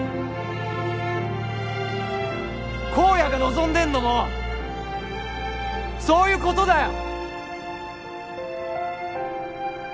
公哉が望んでんのもそういうことだよ！